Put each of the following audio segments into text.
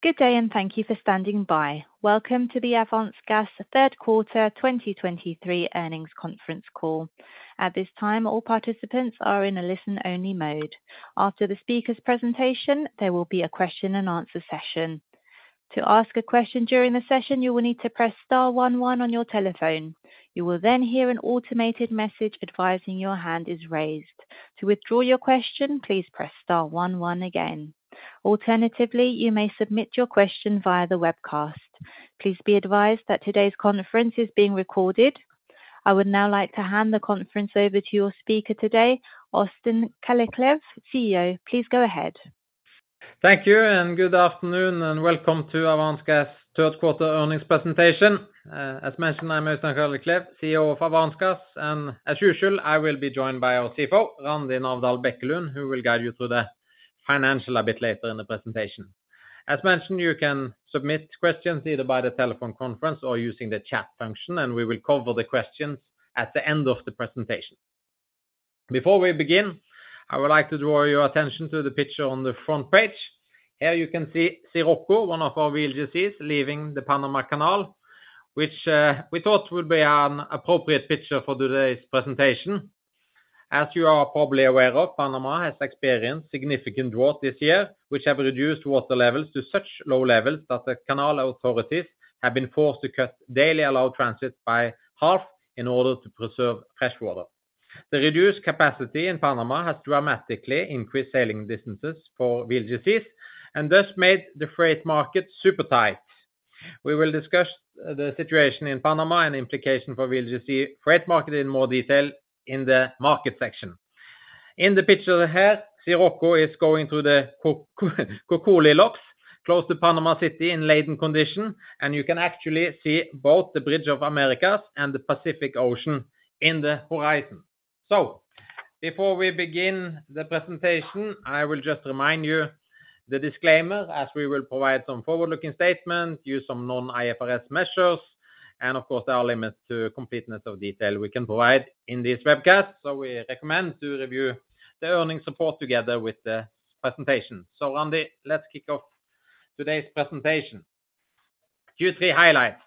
Good day, and thank you for standing by. Welcome to the Avance Gas third quarter 2023 earnings conference call. At this time, all participants are in a listen-only mode. After the speaker's presentation, there will be a question and answer session. To ask a question during the session, you will need to press star one one on your telephone. You will then hear an automated message advising your hand is raised. To withdraw your question, please press star one one again. Alternatively, you may submit your question via the webcast. Please be advised that today's conference is being recorded. I would now like to hand the conference over to your speaker today, Øystein Kalleklev, CEO. Please go ahead. Thank you, and good afternoon, and welcome to Avance Gas third quarter earnings presentation. As mentioned, I'm Øystein Kalleklev, CEO of Avance Gas, and as usual, I will be joined by our CFO, Randi Navdal Bekkelund, who will guide you through the financial a bit later in the presentation. As mentioned, you can submit questions either by the telephone conference or using the chat function, and we will cover the questions at the end of the presentation. Before we begin, I would like to draw your attention to the picture on the front page. Here you can see Sirocco, one of our VLGCs, leaving the Panama Canal, which, we thought would be an appropriate picture for today's presentation. As you are probably aware of, Panama has experienced significant drought this year, which have reduced water levels to such low levels that the canal authorities have been forced to cut daily allowed transit by half in order to preserve freshwater. The reduced capacity in Panama has dramatically increased sailing distances for VLGCs, and thus made the freight market super tight. We will discuss the situation in Panama and the implication for VLGC freight market in more detail in the market section. In the picture here, Sirocco is going through the Cocoli Locks, close to Panama City in laden condition, and you can actually see both the Bridge of the Americas and the Pacific Ocean in the horizon. Before we begin the presentation, I will just remind you the disclaimer, as we will provide some forward-looking statements, use some non-IFRS measures, and of course, there are limits to completeness of detail we can provide in this webcast, so we recommend to review the earnings report together with the presentation. So Randi, let's kick off today's presentation. Q3 highlights.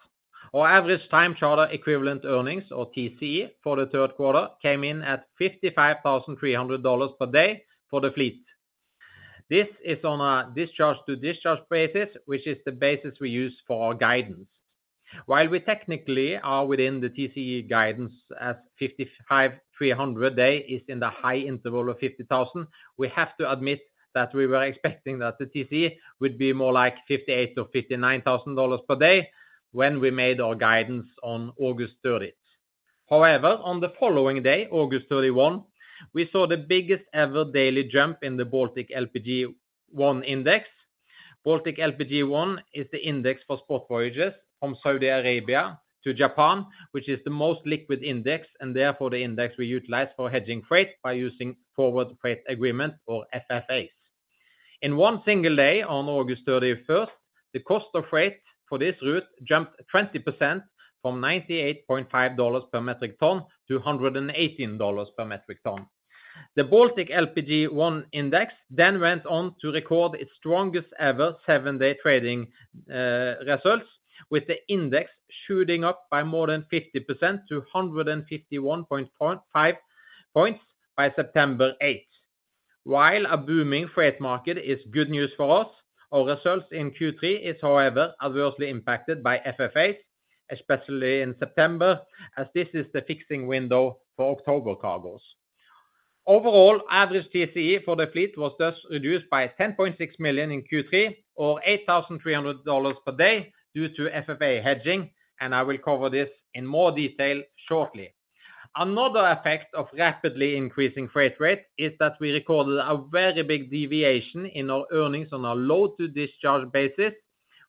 Our average time charter equivalent earnings, or TCE, for the third quarter came in at $55,300 per day for the fleet. This is on a discharge-to-discharge basis, which is the basis we use for our guidance. While we technically are within the TCE guidance at $55,300/day, which is in the high interval of $50,000, we have to admit that we were expecting that the TCE would be more like $58,000 or $59,000 per day when we made our guidance on August 30. However, on the following day, August 31, we saw the biggest ever daily jump in the Baltic LPG One Index. Baltic LPG One is the index for spot voyages from Saudi Arabia to Japan, which is the most liquid index and therefore the index we utilize for hedging freight by using forward freight agreement or FFAs. In one single day, on August 31, the cost of freight for this route jumped 20% from $98.5 per metric ton to $118 per metric ton. The Baltic LPG One Index then went on to record its strongest ever seven-day trading results, with the index shooting up by more than 50% to 151.5 points by September 8. While a booming freight market is good news for us, our results in Q3 is, however, adversely impacted by FFAs, especially in September, as this is the fixing window for October cargoes. Overall, average TCE for the fleet was thus reduced by $10.6 million in Q3, or $8,300 per day, due to FFA hedging, and I will cover this in more detail shortly. Another effect of rapidly increasing freight rates is that we recorded a very big deviation in our earnings on a load-to-discharge basis,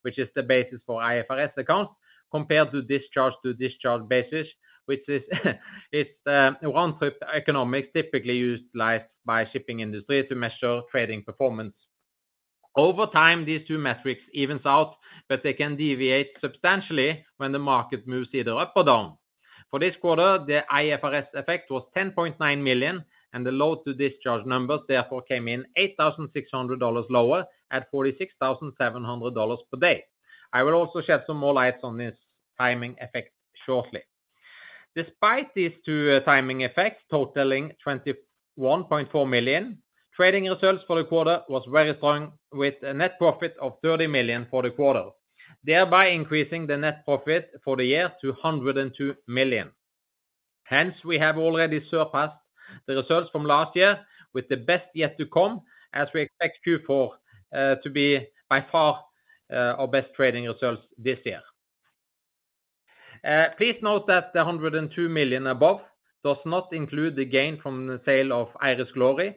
which is the basis for IFRS accounts, compared to discharge-to-discharge basis, which is, it's, one trip economics typically utilized by shipping industry to measure trading performance. Over time, these two metrics evens out, but they can deviate substantially when the market moves either up or down. For this quarter, the IFRS effect was $10.9 million, and the load-to-discharge numbers therefore came in $8,600 lower at $46,700 per day. I will also shed some more light on this timing effect shortly. Despite these two, timing effects totaling $21.4 million, trading results for the quarter was very strong, with a net profit of $30 million for the quarter, thereby increasing the net profit for the year to $102 million. Hence, we have already surpassed the results from last year with the best yet to come, as we expect Q4 to be by far our best trading results this year. Please note that the $102 million above does not include the gain from the sale of Iris Glory.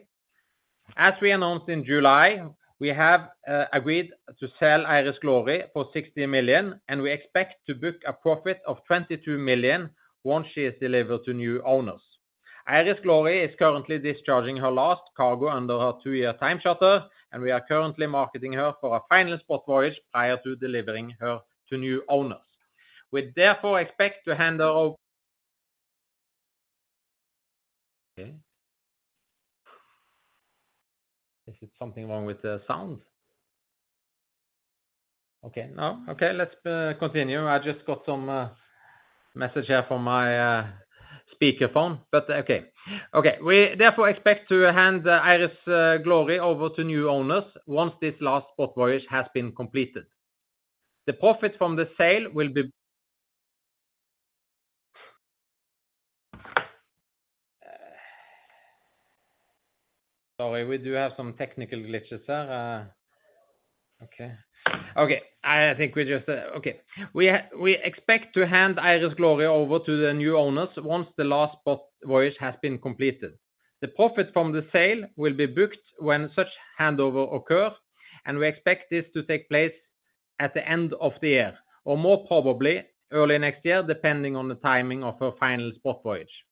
As we announced in July, we have agreed to sell Iris Glory for $60 million, and we expect to book a profit of $22 million once she is delivered to new owners. Iris Glory is currently discharging her last cargo under her two-year time charter, and we are currently marketing her for a final spot voyage prior to delivering her to new owners. We therefore expect to hand her over... Okay. Is it something wrong with the sound? Okay, no. Okay, let's continue. I just got some message here from my speakerphone, but okay. Okay, we therefore expect to hand the Iris Glory over to new owners once this last spot voyage has been completed. The profit from the sale will be-- Sorry, we do have some technical glitches there. Okay. Okay, I think we just-- Okay, we expect to hand Iris Glory over to the new owners once the last spot voyage has been completed. The profit from the sale will be booked when such handover occurs, and we expect this to take place at the end of the year, or more probably early next year, depending on the timing of our final spot voyage.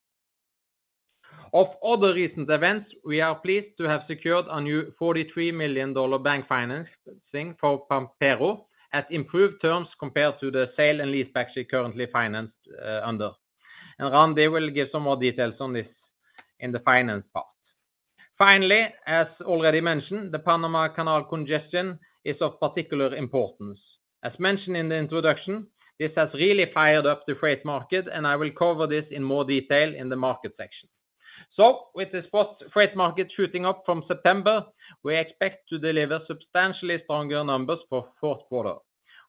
Of all the recent events, we are pleased to have secured a new $43 million bank financing for Pampero at improved terms compared to the sale and leaseback she currently financed under. And Randi will give some more details on this in the finance part. Finally, as already mentioned, the Panama Canal congestion is of particular importance. As mentioned in the introduction, this has really fired up the freight market, and I will cover this in more detail in the market section. So with the spot freight market shooting up from September, we expect to deliver substantially stronger numbers for fourth quarter.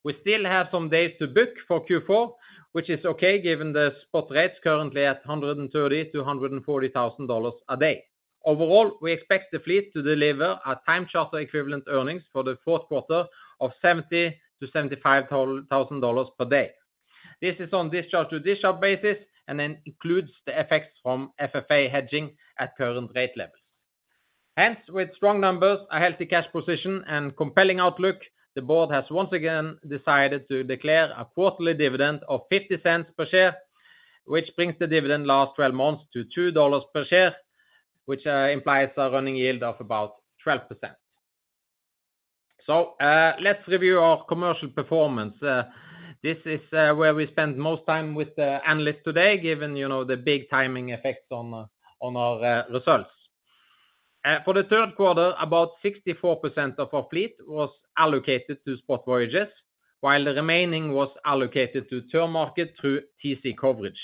We still have some days to book for Q4, which is okay given the spot rates currently at $130,000-$140,000 a day. Overall, we expect the fleet to deliver a time charter equivalent earnings for the fourth quarter of $70,000-$75,000 per day. This is on discharge to discharge basis, and then includes the effects from FFA hedging at current rate levels. Hence, with strong numbers, a healthy cash position and compelling outlook, the board has once again decided to declare a quarterly dividend of $0.50 per share, which brings the dividend last twelve months to $2 per share, which implies a running yield of about 12%. So, let's review our commercial performance. This is where we spend most time with the analysts today, given, you know, the big timing effects on our results. For the third quarter, about 64% of our fleet was allocated to spot voyages, while the remaining was allocated to the market through TC coverage.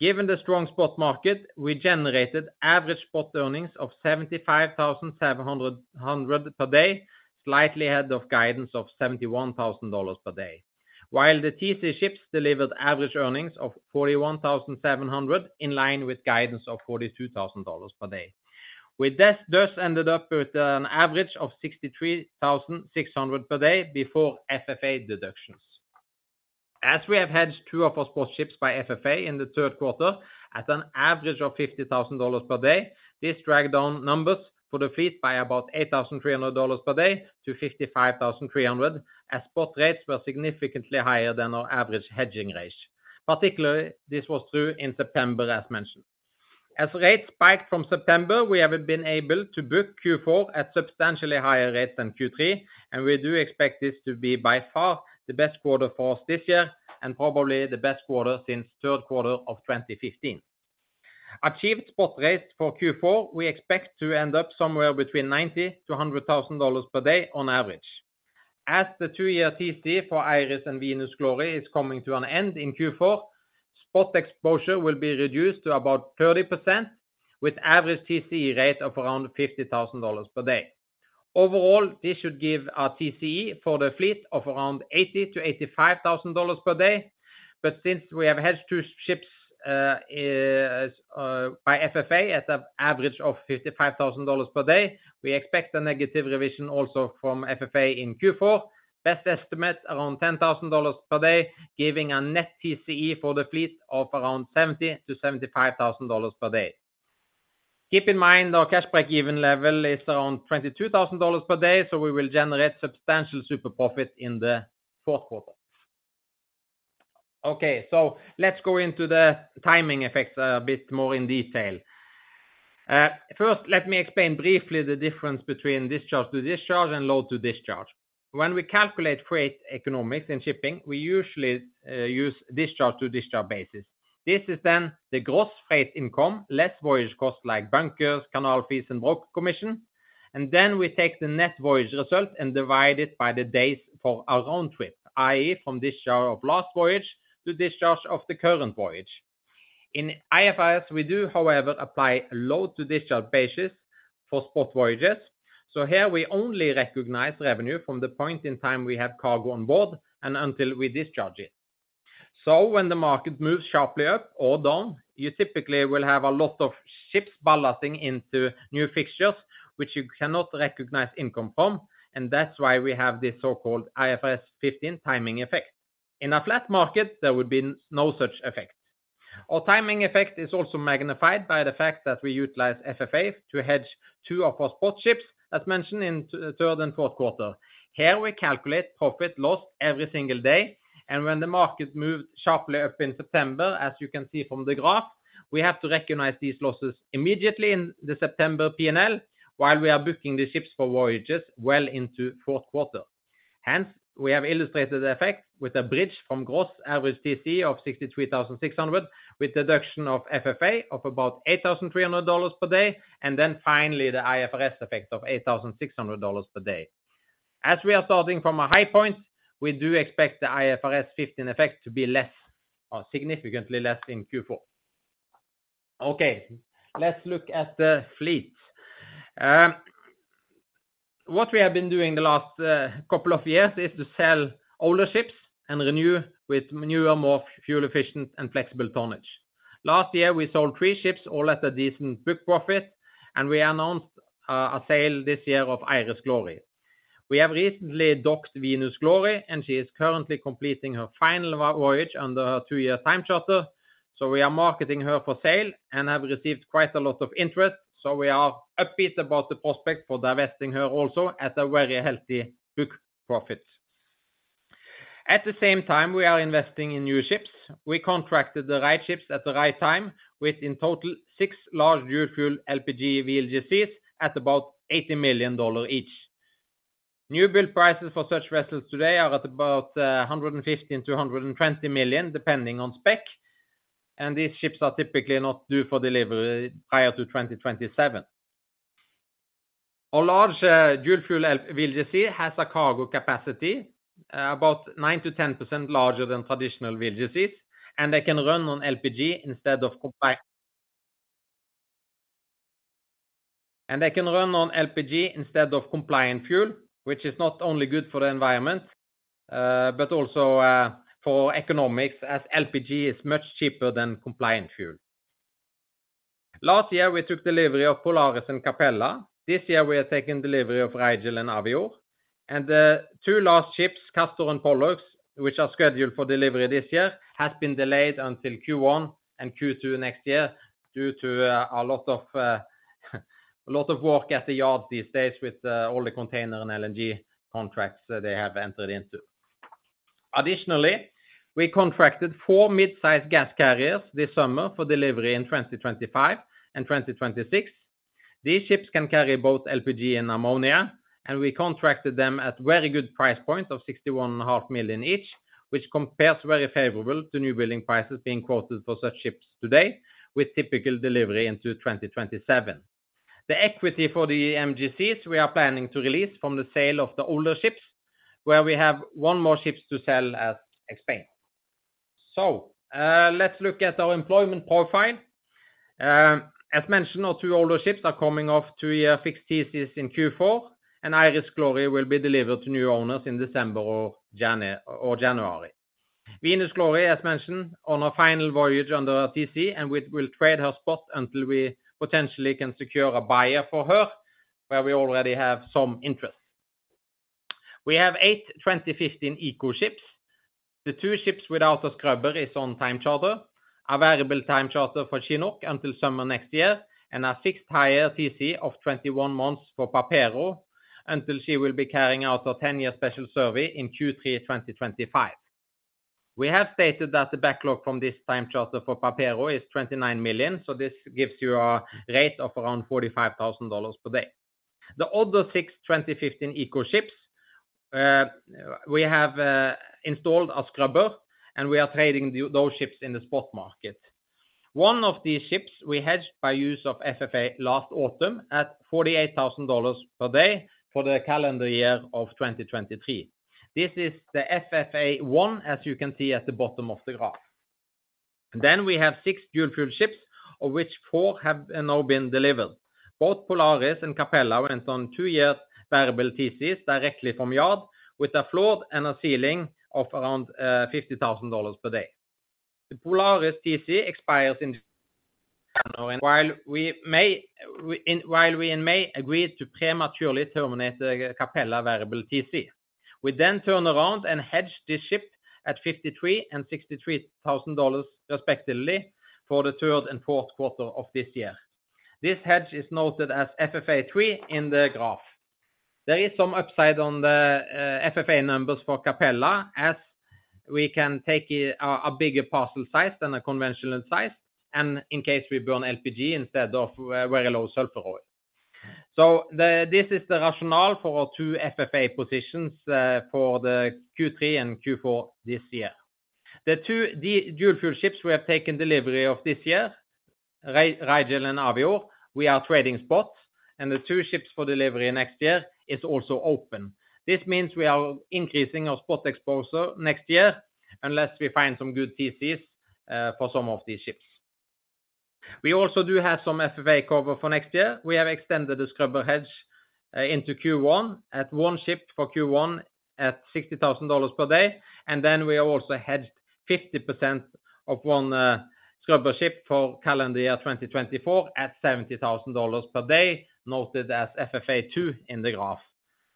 Given the strong spot market, we generated average spot earnings of $75,700 per day, slightly ahead of guidance of $71,000 per day. While the TC ships delivered average earnings of $41,700, in line with guidance of $42,000 per day. We thus ended up with an average of $63,600 per day before FFA deductions. As we have hedged two of our spot ships by FFA in the third quarter at an average of $50,000 per day, this dragged down numbers for the fleet by about $8,300 per day to $55,300, as spot rates were significantly higher than our average hedging rates. Particularly, this was true in September, as mentioned. As rates spiked from September, we have been able to book Q4 at substantially higher rates than Q3, and we do expect this to be by far the best quarter for us this year, and probably the best quarter since third quarter of 2015. Achieved spot rates for Q4, we expect to end up somewhere between $90,000-$100,000 per day on average. As the two-year TC for Iris Glory and Venus Glory is coming to an end in Q4, spot exposure will be reduced to about 30%, with average TCE rate of around $50,000 per day. Overall, this should give our TCE for the fleet of around $80,000-$85,000 per day, but since we have hedged two ships by FFA at an average of $55,000 per day, we expect a negative revision also from FFA in Q4. Best estimate, around $10,000 per day, giving a net TCE for the fleet of around $70,000-$75,000 per day. Keep in mind, our cash break-even level is around $22,000 per day, so we will generate substantial super profits in the fourth quarter. Okay, so let's go into the timing effects a bit more in detail. First, let me explain briefly the difference between discharge to discharge and load to discharge. When we calculate freight economics in shipping, we usually use discharge to discharge basis. This is then the gross freight income, less voyage costs like bunkers, canal fees, and broker commission. And then we take the net voyage result and divide it by the days for our own trip, i.e., from discharge of last voyage to discharge of the current voyage. In IFRS, we do, however, apply load to discharge basis for spot voyages. So here we only recognize revenue from the point in time we have cargo on board and until we discharge it. So when the market moves sharply up or down, you typically will have a lot of ships ballasting into new fixtures, which you cannot recognize income from, and that's why we have this so-called IFRS 15 timing effect. In a flat market, there would be no such effect. Our timing effect is also magnified by the fact that we utilize FFA to hedge two of our spot ships, as mentioned in third and fourth quarter. Here, we calculate profit loss every single day, and when the market moved sharply up in September, as you can see from the graph, we have to recognize these losses immediately in the September P&L, while we are booking the ships for voyages well into fourth quarter. Hence, we have illustrated the effect with a bridge from gross average TC of $63,600, with deduction of FFA of about $8,300 per day, and then finally, the IFRS effect of $8,600 per day. As we are starting from a high point, we do expect the IFRS 15 effect to be less or significantly less in Q4. Okay, let's look at the fleet. What we have been doing the last couple of years is to sell older ships and renew with newer, more fuel efficient and flexible tonnage. Last year, we sold three ships, all at a decent book profit, and we announced a sale this year of Iris Glory. We have recently docked Venus Glory, and she is currently completing her final voyage under her two-year time charter. So we are marketing her for sale and have received quite a lot of interest, so we are upbeat about the prospect for divesting her also at a very healthy book profit. At the same time, we are investing in new ships. We contracted the right ships at the right time, with in total six large dual fuel LPG VLGCs at about $80 million each. New build prices for such vessels today are at about $150 million-$120 million, depending on spec, and these ships are typically not due for delivery prior to 2027. Our large dual fuel VLGC has a cargo capacity about 9%-10% larger than traditional VLGCs, and they can run on LPG instead of compliant fuel, which is not only good for the environment, but also for economics, as LPG is much cheaper than compliant fuel. Last year, we took delivery of Polaris and Capella. This year, we are taking delivery of Rigel and Avior. The two last ships, Castor and Pollux, which are scheduled for delivery this year, has been delayed until Q1 and Q2 next year, due to a lot of, a lot of work at the yard these days with all the container and LNG contracts that they have entered into. Additionally, we contracted 4 mid-sized gas carriers this summer for delivery in 2025 and 2026. These ships can carry both LPG and ammonia, and we contracted them at very good price point of $61.5 million each, which compares very favorable to newbuilding prices being quoted for such ships today, with typical delivery into 2027. The equity for the MGCs, we are planning to release from the sale of the older ships, where we have one more ships to sell as explained. So, let's look at our employment profile. As mentioned, our two older ships are coming off 2-year fixed TCs in Q4, and Iris Glory will be delivered to new owners in December or January. Venus Glory, as mentioned, on her final voyage under our TC, and we will trade her spot until we potentially can secure a buyer for her, where we already have some interest. We have eight 2015 eco ships. The two ships without a scrubber is on time charter. A variable time charter for Chinook until summer next year, and a fixed higher TC of 21 months for Pampero until she will be carrying out her 10-year special survey in Q3 2025. We have stated that the backlog from this time charter for Pampero is $29 million, so this gives you a rate of around $45,000 per day. The other six 2015 eco ships, we have installed a scrubber, and we are trading those ships in the spot market. One of these ships we hedged by use of FFA last autumn, at $48,000 per day for the calendar year of 2023. This is the FFA one, as you can see at the bottom of the graph. Then we have six dual fuel ships, of which four have now been delivered. Both Polaris and Capella went on two-year variable TCs directly from yard, with a floor and a ceiling of around $50,000 per day. The Polaris TC expires in January, while we in May agreed to prematurely terminate the Capella variable TC. We then turn around and hedge this ship at $53,000 and $63,000 respectively, for the third and fourth quarter of this year. This hedge is noted as FFA three in the graph. There is some upside on the FFA numbers for Capella, as we can take a bigger parcel size than a conventional in size, and in case we burn LPG instead of very low sulfur oil. So this is the rationale for our two FFA positions for the Q3 and Q4 this year. The two dual fuel ships we have taken delivery of this year, Rigel and Avior, we are trading spot, and the two ships for delivery next year is also open. This means we are increasing our spot exposure next year, unless we find some good TCs for some of these ships. We also do have some FFA cover for next year. We have extended the scrubber hedge into Q1, at one ship for Q1, at $60,000 per day, and then we have also hedged 50% of one scrubber ship for calendar year 2024, at $70,000 per day, noted as FFA 2 in the graph.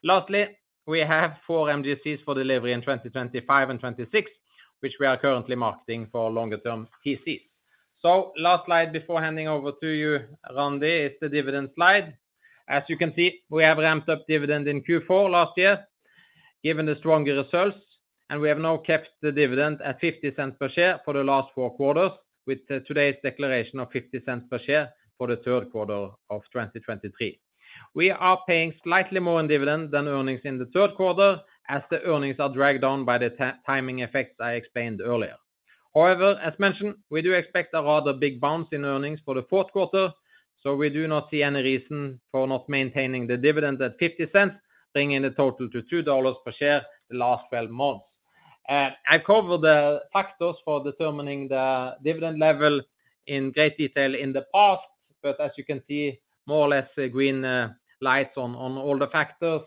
Lastly, we have four MGCs for delivery in 2025 and 2026, which we are currently marketing for longer term TCs. Last slide before handing over to you, Randi, is the dividend slide. As you can see, we have ramped up dividend in Q4 last year, given the stronger results. We have now kept the dividend at $0.50 per share for the last four quarters, with today's declaration of $0.50 per share for the third quarter of 2023. We are paying slightly more in dividends than earnings in the third quarter, as the earnings are dragged on by the timing effects I explained earlier. However, as mentioned, we do expect a rather big bounce in earnings for the fourth quarter, so we do not see any reason for not maintaining the dividend at $0.50, bringing the total to $2 per share the last twelve months. I covered the factors for determining the dividend level in great detail in the past, but as you can see, more or less green lights on all the factors.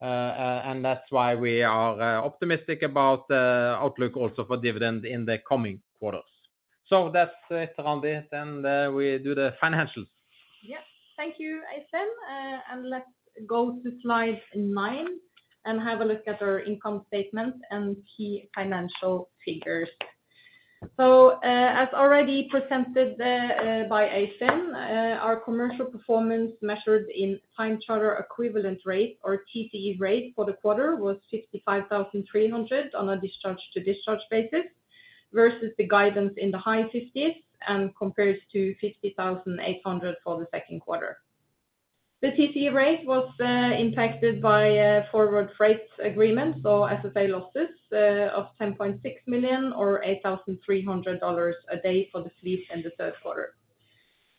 And that's why we are optimistic about the outlook also for dividend in the coming quarters. So that's it around it, and we do the financials. Yes. Thank you, Øystein. And let's go to slide 9 and have a look at our income statement and key financial figures. So, as already presented by Øystein, our commercial performance measured in time charter equivalent rate, or TCE rate, for the quarter was 55,300 on a discharge-to-discharge basis, versus the guidance in the high 50s and compares to 50,800 for the second quarter. The TCE rate was impacted by forward rates agreement, so FFA losses, of $10.6 million, or $8,300 a day for the fleet in the third quarter.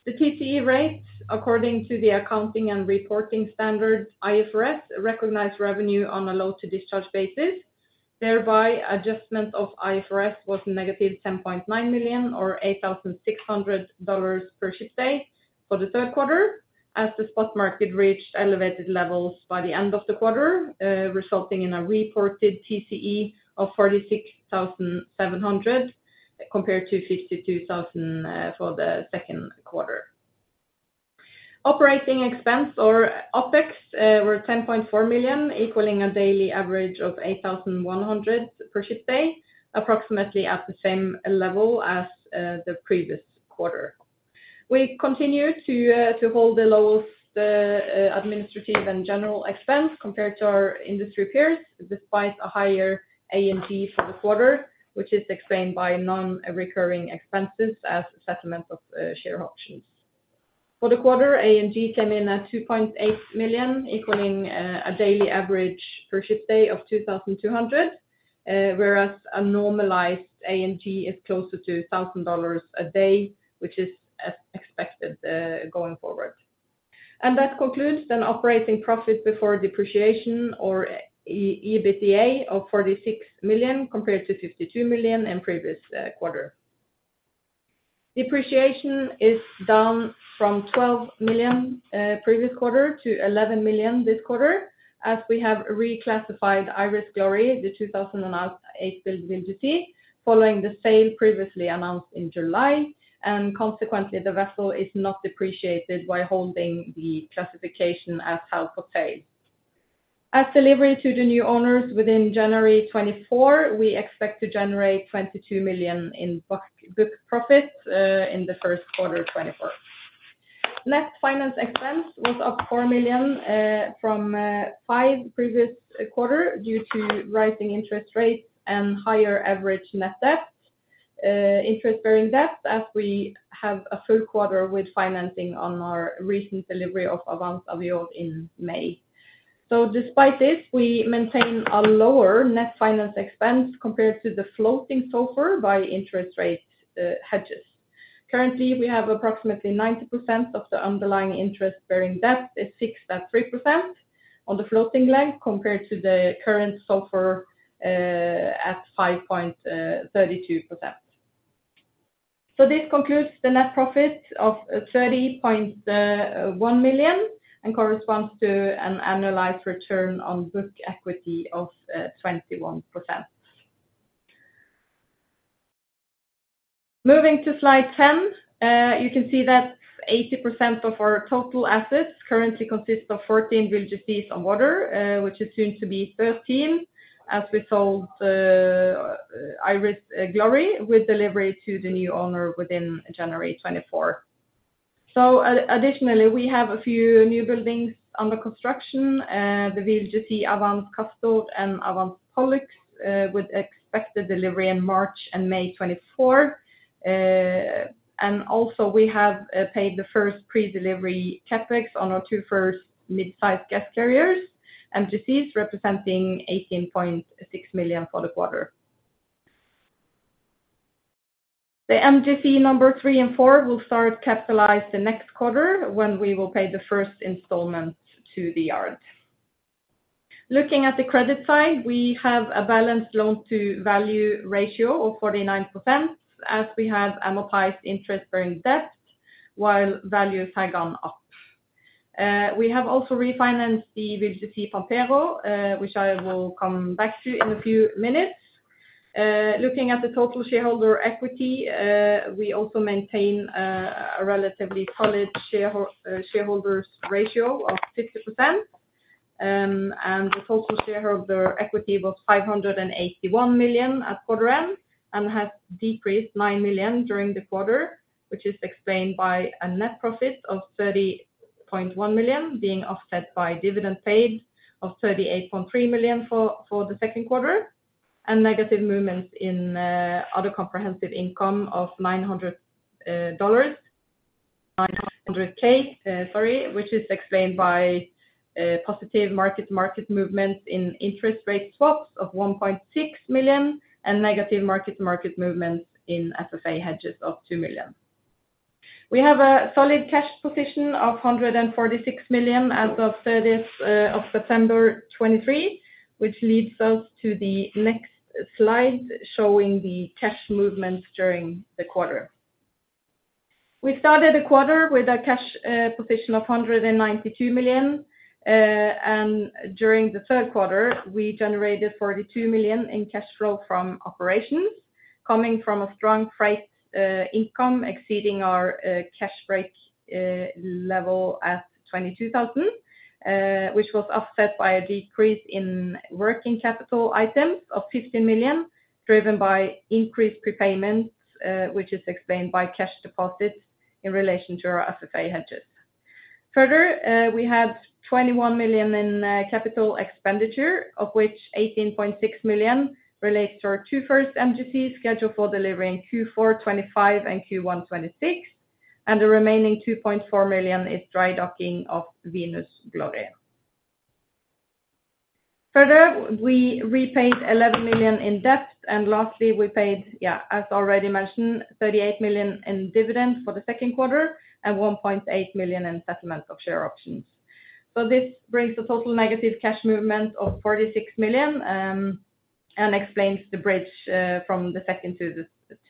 The TCE rates, according to the accounting and reporting standards, IFRS, recognize revenue on a load-to-discharge basis. Thereby, adjustment of IFRS was -$10.9 million, or $8,600 per ship day, for the third quarter, as the spot market reached elevated levels by the end of the quarter, resulting in a reported TCE of $46,700, compared to $52,000 for the second quarter. Operating expense or OpEx were $10.4 million, equaling a daily average of $8,100 per ship day, approximately at the same level as the previous quarter. We continue to hold the lowest administrative and general expense compared to our industry peers, despite a higher A&G for the quarter, which is explained by non-recurring expenses as settlement of share options. For the quarter, A&G came in at $2.8 million, equaling a daily average per ship day of 2,200, whereas a normalized A&G is closer to $1,000 a day, which is as expected going forward. That concludes an operating profit before depreciation or EBITDA of $46 million, compared to $52 million in previous quarter. Depreciation is down from $12 million previous quarter to $11 million this quarter, as we have reclassified Iris Glory, the 2008-built VLGC, following the sale previously announced in July, and consequently, the vessel is not depreciated while holding the classification as held for sale. At delivery to the new owners within January 2024, we expect to generate $22 million in book profits in the first quarter of 2024. Net finance expense was up $4 million from $5 million previous quarter due to rising interest rates and higher average net debt, interest-bearing debt, as we have a full quarter with financing on our recent delivery of Avance Avior in May. So despite this, we maintain a lower net finance expense compared to the floating SOFR by interest rate hedges. Currently, we have approximately 90% of the underlying interest-bearing debt is fixed at 3% on the floating rate compared to the current SOFR at 5.32%. So this concludes the net profit of $30.1 million and corresponds to an annualized return on book equity of 21%. Moving to slide 10, you can see that 80% of our total assets currently consist of 14 VLGCs on water, which is soon to be 13, as we sold the Iris Glory, with delivery to the new owner within January 2024. Additionally, we have a few newbuildings under construction, the VLGC Avance Castor and Avance Pollux, with expected delivery in March and May 2024. And also, we have paid the first pre-delivery CapEx on our two first mid-sized gas carriers, MGCs, representing $18.6 million for the quarter. The MGC number three and four will start capitalized the next quarter, when we will pay the first installment to the yard. Looking at the credit side, we have a balanced loan-to-value ratio of 49%, as we have amortized interest-bearing debt while values have gone up. We have also refinanced the VLGC Pampero, which I will come back to in a few minutes. Looking at the total shareholder equity, we also maintain a relatively solid shareholders ratio of 50%. And the total shareholder equity was $581 million at quarter end and has decreased $9 million during the quarter, which is explained by a net profit of $30.1 million, being offset by dividend paid of $38.3 million for the second quarter, and negative movements in other comprehensive income of $900,000, sorry, which is explained by positive market movements in interest rate swaps of $1.6 million, and negative mark-to-market movements in FFA hedges of $2 million. We have a solid cash position of $146 million as of the 30th of September 2023, which leads us to the next slide, showing the cash movements during the quarter. We started the quarter with a cash position of $192 million. And during the third quarter, we generated $42 million in cash flow from operations, coming from a strong freight income, exceeding our cash break-even level at $22,000. Which was offset by a decrease in working capital items of $50 million, driven by increased prepayments, which is explained by cash deposits in relation to our FFA hedges. Further, we had $21 million in capital expenditure, of which $18.6 million relates to our two first MGCs, scheduled for delivery in Q4 2025 and Q1 2026, and the remaining $2.4 million is dry docking of Venus Glory. Further, we repaid $11 million in debt, and lastly, we paid, yeah, as already mentioned, $38 million in dividend for the second quarter and $1.8 million in settlement of share options. So this brings the total negative cash movement of $46 million, and explains the bridge from the second to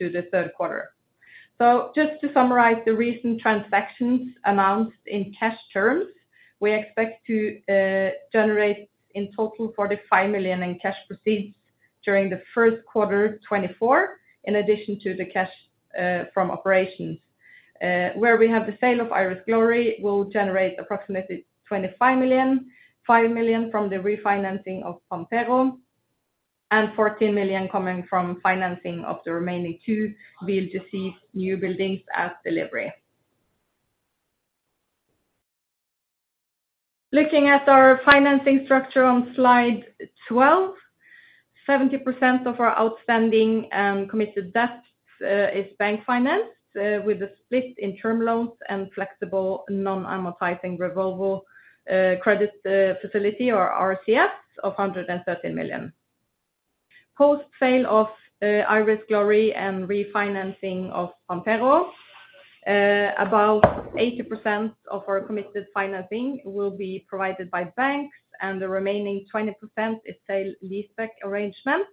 the third quarter. So just to summarize the recent transactions announced in cash terms, we expect to generate in total $45 million in cash proceeds during the first quarter 2024, in addition to the cash from operations. Where we have the sale of Iris Glory, will generate approximately $25 million, $5 million from the refinancing of Pampero, and $14 million coming from financing of the remaining two VLGC newbuildings at delivery. Looking at our financing structure on slide 12, 70% of our outstanding committed debts is bank financed with a split in term loans and flexible non-amortizing revolving credit facility or RCF of $113 million. Post sale of Iris Glory and refinancing of Pampero, about 80% of our committed financing will be provided by banks, and the remaining 20% is sale lease back arrangement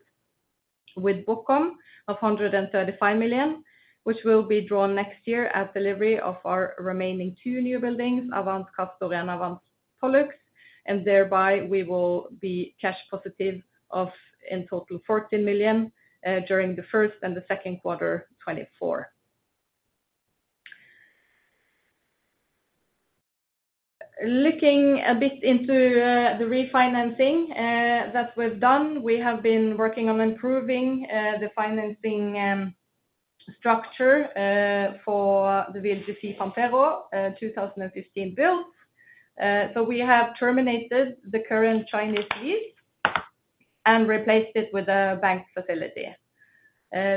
with BOCOM of $135 million, which will be drawn next year at delivery of our remaining two newbuildings, Avance Castor and Avance Pollux, and thereby we will be cash positive of, in total, $14 million, during Q1 and Q2 2024. Looking a bit into the refinancing that we've done, we have been working on improving the financing structure for the VLGC Pampero, 2015 build. So we have terminated the current Chinese lease and replaced it with a bank facility.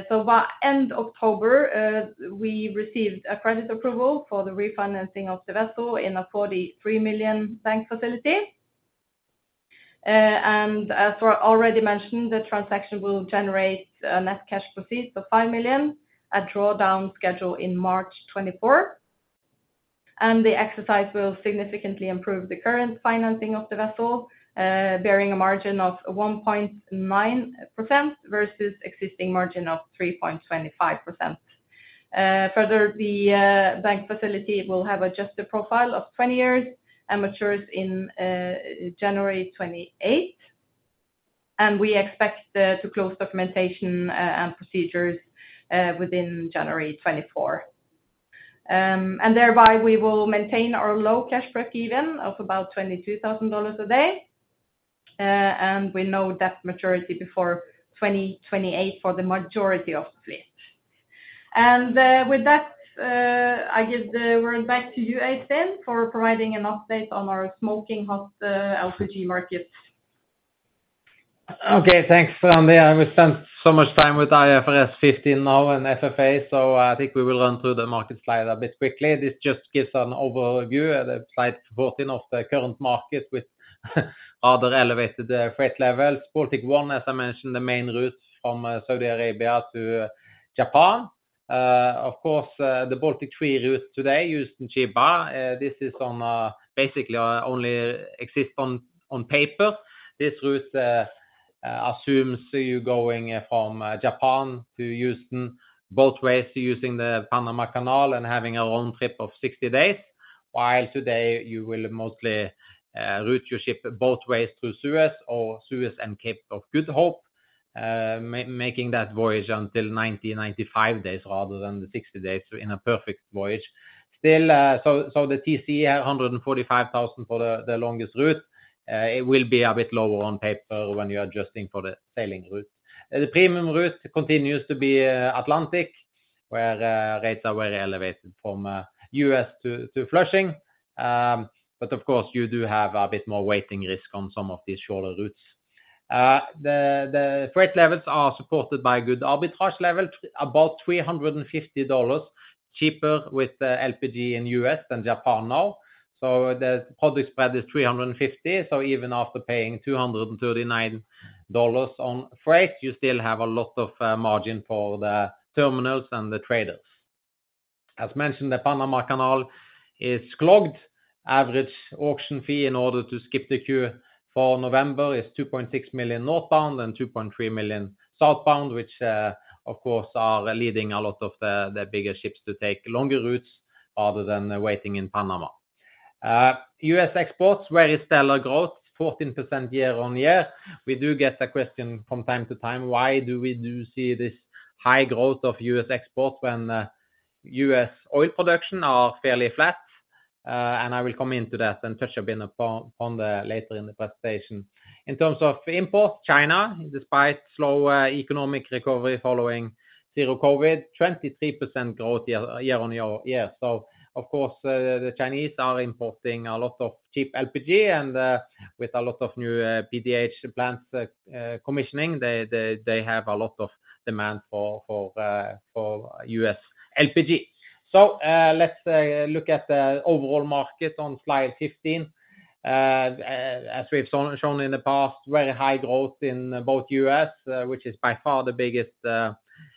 So by end of October, we received a credit approval for the refinancing of the vessel in a $43 million bank facility. And as already mentioned, the transaction will generate net cash proceeds of $5 million, a drawdown scheduled in March 2024. And the refinancing will significantly improve the current financing of the vessel, bearing a margin of 1.9% versus existing margin of 3.25%. Further, the bank facility will have adjusted profile of 20 years and matures in January 2028, and we expect to close documentation and procedures within January 2024. And thereby, we will maintain our low cash break-even of about $22,000 a day. And we have no debt maturity before 2028 for the majority of the fleet. With that, I give the word back to you, Øystein, for providing an update on our smoking hot LPG markets. Okay, thanks, Randi. I will spend so much time with IFRS 15 now and FFA, so I think we will run through the market slide a bit quickly. This just gives an overview and a slide 14 of the current market with overall elevated freight levels. Baltic One, as I mentioned, the main route from Saudi Arabia to Japan. Of course, the Baltic Three route today, Houston, Chiba. This is on basically only exists on paper. This route assumes you're going from Japan to Houston, both ways, using the Panama Canal and having a long trip of 60 days. While today you will mostly route your ship both ways through Suez or Suez and Cape of Good Hope, making that voyage 90-95 days, rather than the 60 days in a perfect voyage. Still, so the TCE $145,000 for the longest route. It will be a bit lower on paper when you're adjusting for the sailing route. The premium route continues to be Atlantic, where rates are very elevated from US to Flushing. But of course, you do have a bit more waiting risk on some of these shorter routes. The freight levels are supported by good arbitrage levels, about $350 cheaper with the LPG in US than Japan now. So the propane spread is $350. So even after paying $239 on freight, you still have a lot of margin for the terminals and the traders. As mentioned, the Panama Canal is clogged. Average auction fee in order to skip the queue for November is $2.6 million northbound and $2.3 million southbound, which, of course, are leading a lot of the, the bigger ships to take longer routes other than waiting in Panama. U.S. exports, very stellar growth, 14% year-on-year. We do get a question from time to time, why do we do see this high growth of U.S. exports when, U.S. oil production are fairly flat? And I will come into that and touch a bit upon, on the later in the presentation. In terms of import, China, despite slow, economic recovery following Zero COVID, 23% growth year-on-year. So of course, the Chinese are importing a lot of cheap LPG and, with a lot of new PDH plants commissioning, they have a lot of demand for US LPG. So, let's look at the overall market on slide 15. As we've shown in the past, very high growth in both US, which is by far the biggest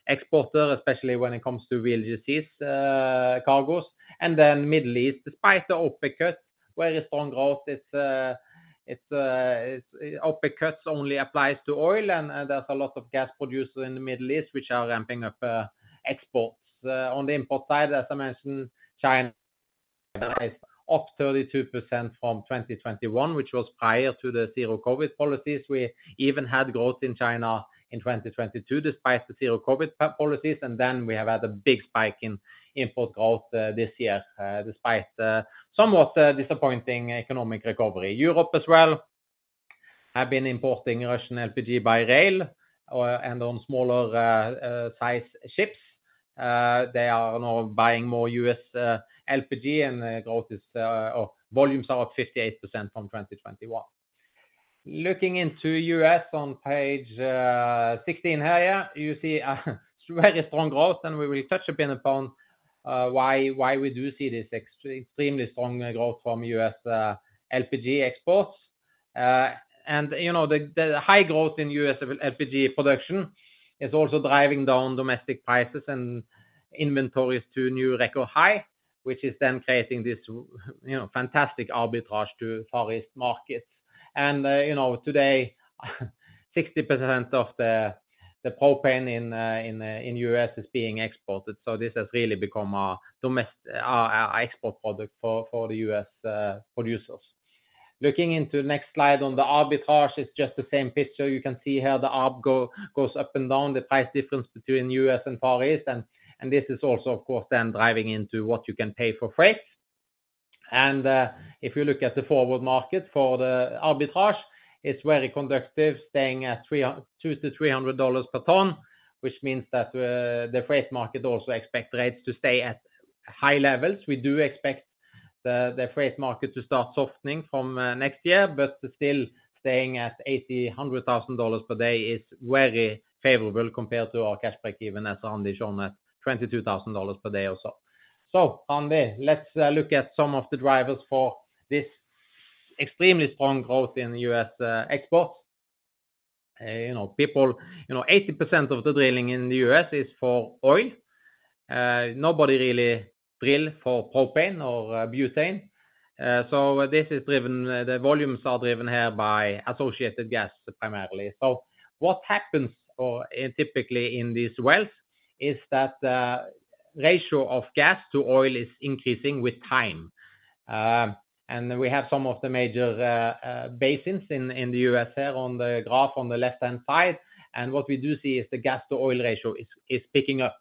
exporter, especially when it comes to VLGCs, cargos, and then Middle East, despite the OPEC cuts, very strong growth. It's OPEC cuts only applies to oil, and there's a lot of gas producers in the Middle East, which are ramping up exports. On the import side, as I mentioned, China is up 32% from 2021, which was prior to the zero COVID policies. We even had growth in China in 2022, despite the zero COVID policies, and then we have had a big spike in import growth this year, despite somewhat disappointing economic recovery. Europe as well, have been importing Russian LPG by rail and on smaller size ships. They are now buying more U.S. LPG, and the growth or volumes are up 58% from 2021. Looking into U.S. on page 16 here, you see very strong growth, and we will touch a bit upon why we do see this extremely strong growth from U.S. LPG exports. And, you know, the high growth in U.S. LPG production is also driving down domestic prices and inventories to new record high, which is then creating this, you know, fantastic arbitrage to Far East markets. And, you know, today, 60% of the propane in the U.S. is being exported, so this has really become a domestic export product for the U.S. producers. Looking into next slide on the arbitrage, it's just the same picture. You can see here, the arb goes up and down, the price difference between U.S. and Far East, and this is also, of course, then driving into what you can pay for freight. If you look at the forward market for the arbitrage, it's very conducive, staying at $200-$300 per ton, which means that the freight market also expect rates to stay at high levels. We do expect the freight market to start softening from next year, but still staying at $80,000-$100,000 per day is very favorable compared to our cash break-even as shown at $22,000 per day or so. So on there, let's look at some of the drivers for this extremely strong growth in US exports. You know, people— You know, 80% of the drilling in the US is for oil. Nobody really drill for propane or butane. So this is driven, the volumes are driven here by associated gas, primarily. So what happens typically in this wells is that the ratio of gas to oil is increasing with time. We have some of the major basins in the U.S. here on the graph on the left-hand side, and what we do see is the gas-to-oil ratio is picking up.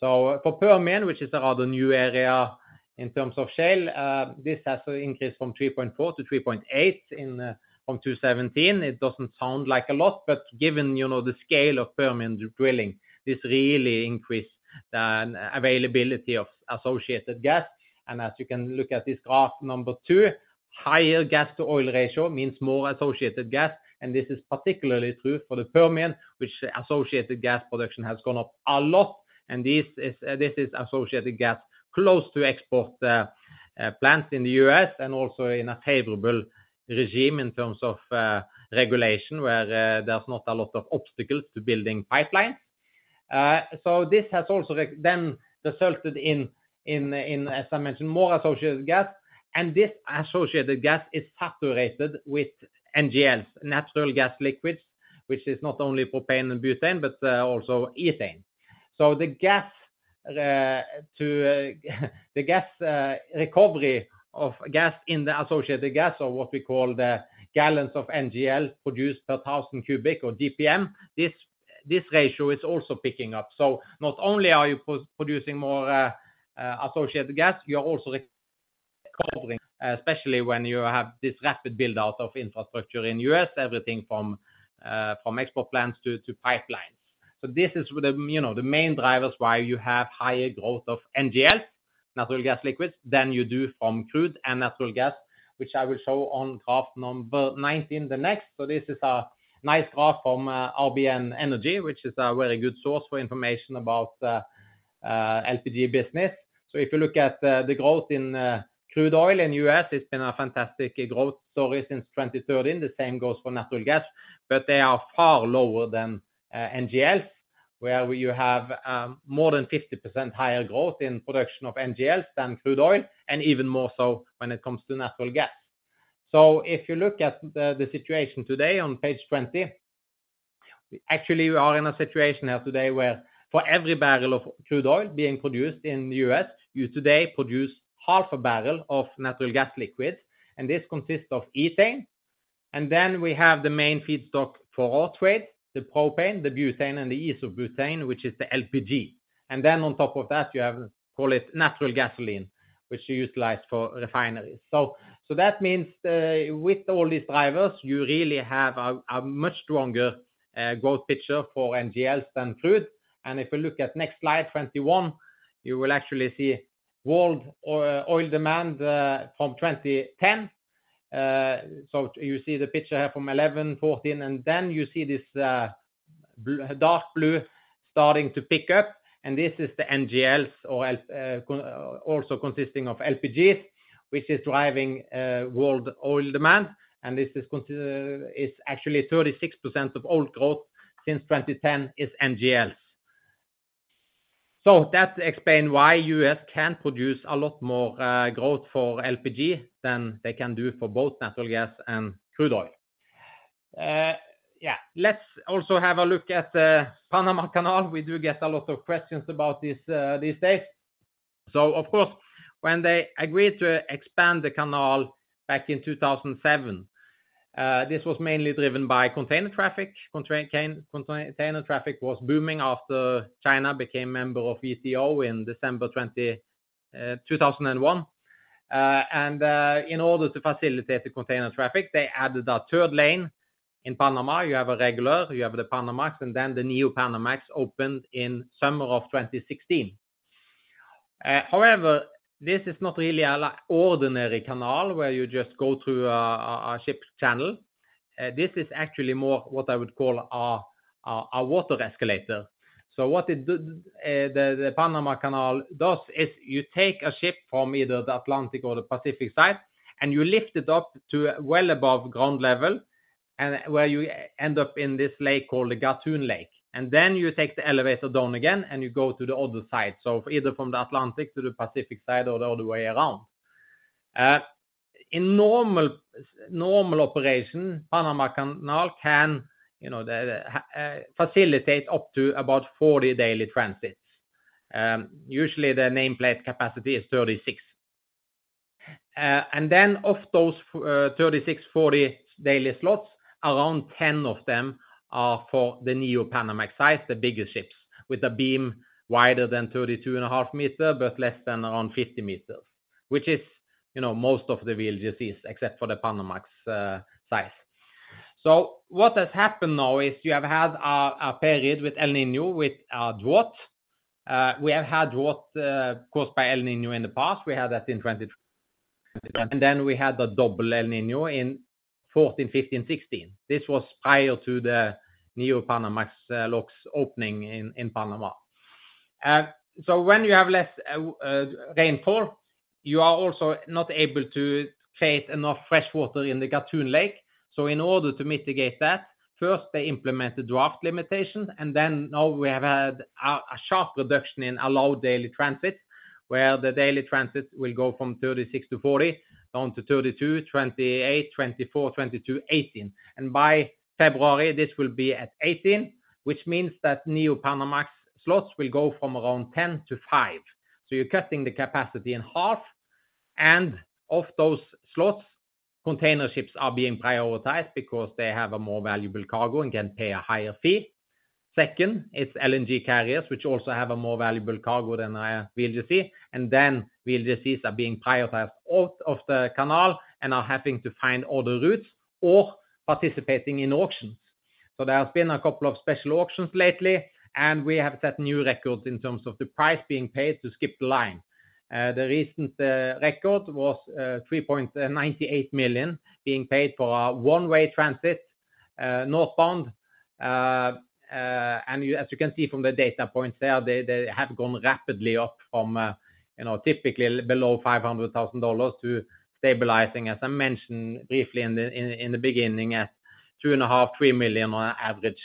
So for Permian, which is a rather new area in terms of shale, this has increased from 3.4 to 3.8 in from 2017. It doesn't sound like a lot, but given, you know, the scale of Permian drilling, this really increased the availability of associated gas. As you can look at this graph, number 2, higher gas-to-oil ratio means more associated gas, and this is particularly true for the Permian, which associated gas production has gone up a lot, and this is associated gas close to export plants in the U.S. and also in a favorable regime in terms of regulation, where there's not a lot of obstacles to building pipelines. So this has also then resulted in, as I mentioned, more associated gas, and this associated gas is saturated with NGLs, natural gas liquids, which is not only propane and butane, but also ethane. So the gas to the gas recovery of gas in the associated gas, or what we call the gallons of NGL produced per thousand cubic or GPM, this ratio is also picking up. So not only are you producing more associated gas, you are also... Especially when you have this rapid build-out of infrastructure in U.S., everything from export plants to pipelines. So this is, you know, the main drivers why you have higher growth of NGL, natural gas liquids, than you do from crude and natural gas, which I will show on graph number 19 the next. So this is a nice graph from RBN Energy, which is a very good source for information about the LPG business. So if you look at the growth in crude oil in U.S., it's been a fantastic growth story since 2013. The same goes for natural gas, but they are far lower than NGLs, where you have more than 50% higher growth in production of NGLs than crude oil, and even more so when it comes to natural gas. So if you look at the situation today on page 20, actually, we are in a situation now today where for every barrel of crude oil being produced in the U.S., you today produce half a barrel of natural gas liquids, and this consists of ethane. And then we have the main feedstock for all trade, the propane, the butane, and the Iso-butane, which is the LPG. And then on top of that, you have, call it natural gasoline, which you utilize for refineries. So that means with all these drivers, you really have a much stronger growth picture for NGLs than crude. And if you look at next slide, 21, you will actually see world oil demand from 2010. So you see the picture here from 2011, 2014, and then you see this dark blue starting to pick up, and this is the NGLs, or also consisting of LPGs, which is driving world oil demand. And this is actually 36% of all growth since 2010 is NGLs. So that explain why US can produce a lot more growth for LPG than they can do for both natural gas and crude oil. Yeah, let's also have a look at the Panama Canal. We do get a lot of questions about this these days. So of course, when they agreed to expand the canal back in 2007, this was mainly driven by container traffic. Container traffic was booming after China became member of WTO in December 20, 2001. And, in order to facilitate the container traffic, they added a third lane in Panama. You have a regular, you have the Panamax, and then the Neo-Panamax opened in summer of 2016. However, this is not really an ordinary canal, where you just go through a ship channel. This is actually more what I would call a water escalator. So what the Panama Canal does is you take a ship from either the Atlantic or the Pacific side, and you lift it up to well above ground level, and where you end up in this lake called the Gatun Lake. And then you take the elevator down again, and you go to the other side. So either from the Atlantic to the Pacific side or the other way around. In normal operation, the Panama Canal can, you know, facilitate up to about 40 daily transits. Usually, the nameplate capacity is 36. And then of those, 36-40 daily slots, around 10 of them are for the Neo-Panamax size, the bigger ships, with a beam wider than 32.5 meters, but less than around 50 meters, which is, you know, most of the VLGCs, except for the Panamax size. So what has happened now is you have had a period with El Niño, with a drought. We have had drought caused by El Niño in the past. We had that in 2020 and then we had the double El Niño in 2014, 2015, 2016. This was prior to the Neo-Panamax locks opening in Panama. So when you have less rainfall, you are also not able to create enough freshwater in the Gatun Lake. So in order to mitigate that, first, they implemented draft limitations, and then now we have had a sharp reduction in allowed daily transits, where the daily transits will go from 36 to 40, down to 32, 28, 24, 22, 18. And by February, this will be at 18, which means that Neo-Panamax slots will go from around 10 to 5. So you're cutting the capacity in half, and of those slots, container ships are being prioritized because they have a more valuable cargo and can pay a higher fee. Second, it's LNG carriers, which also have a more valuable cargo than a VLGC, and then VLGCs are being prioritized out of the canal and are having to find other routes or participating in auctions. So there has been a couple of special auctions lately, and we have set new records in terms of the price being paid to skip the line. The recent record was $3.98 million being paid for a one-way transit northbound. And as you can see from the data points there, they have gone rapidly up from, you know, typically below $500,000 to stabilizing, as I mentioned briefly in the beginning, at $2.5-$3 million on average.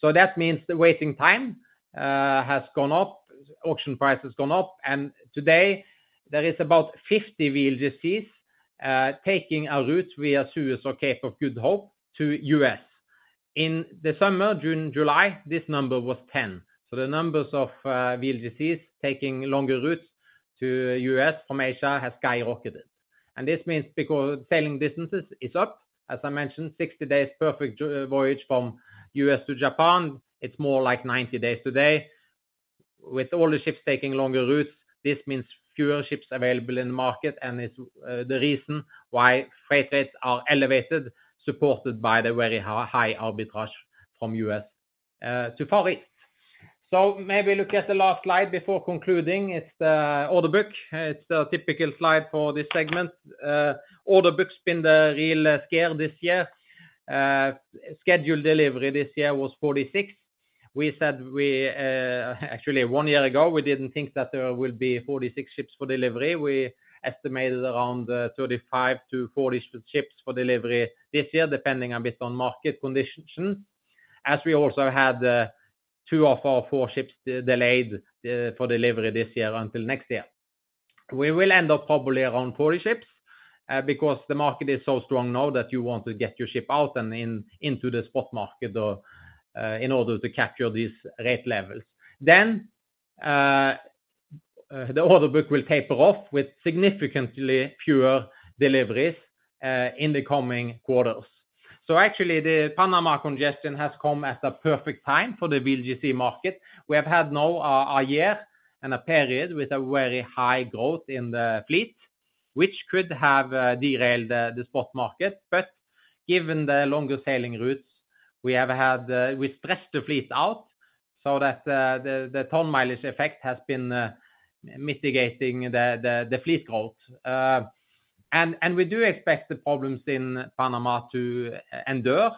So that means the waiting time has gone up, auction price has gone up, and today there is about 50 VLGCs taking a route via Suez or Cape of Good Hope to U.S. In the summer, June, July, this number was 10. So the numbers of VLGCs taking longer routes to US from Asia has skyrocketed. And this means because sailing distances is up, as I mentioned, 60 days perfect Japan voyage from US to Japan, it's more like 90 days today. With all the ships taking longer routes, this means fewer ships available in the market, and it's the reason why freight rates are elevated, supported by the very high arbitrage from US to Far East. So maybe look at the last slide before concluding. It's the order book. It's a typical slide for this segment. Order book's been really small this year. Scheduled delivery this year was 46. We said we actually, one year ago, we didn't think that there will be 46 ships for delivery. We estimated around 35-40 ships for delivery this year, depending a bit on market conditions, as we also had two of our four ships delayed for delivery this year until next year. We will end up probably around 40 ships because the market is so strong now that you want to get your ship out and into the spot market in order to capture these rate levels. Then the order book will taper off with significantly fewer deliveries in the coming quarters. So actually, the Panama congestion has come at a perfect time for the VLGC market. We have had now a year and a period with a very high growth in the fleet, which could have derailed the spot market. But given the longer sailing routes we have had, we stressed the fleet out so that the ton mileage effect has been mitigating the fleet growth. And we do expect the problems in Panama to endure.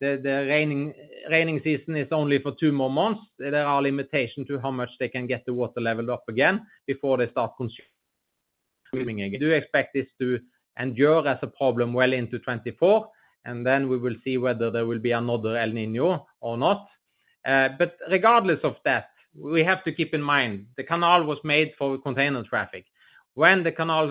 The rainy season is only for two more months. There are limitations to how much they can get the water level up again before they start consuming again. We do expect this to endure as a problem well into 2024, and then we will see whether there will be another El Niño or not. But regardless of that, we have to keep in mind the canal was made for container traffic. When the canal